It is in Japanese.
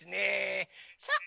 さあ